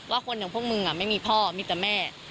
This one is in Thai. ว่าคนของพวกมึงมันไม่มีพ่อมีแต่แม่